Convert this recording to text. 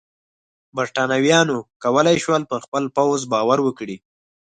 برېټانویانو کولای شول پر خپل پوځ باور وکړي.